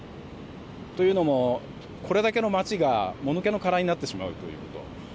というのも、これだけの街がもぬけの殻になってしまうということ。